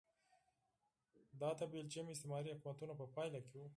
دا د بلجیم استعماري حکومتونو په پایله کې و.